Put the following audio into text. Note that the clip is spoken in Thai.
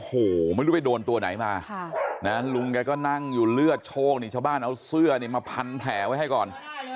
โอ้โหไม่รู้ไปโดนตัวไหนมาลุงแกก็นั่งอยู่เลือดโชคนี่ชาวบ้านเอาเสื้อเนี่ยมาพันแผลไว้ให้ก่อน